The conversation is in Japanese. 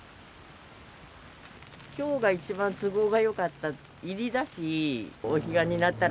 きょうが一番都合がよかった。